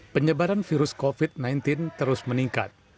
penyebaran virus covid sembilan belas terus meningkat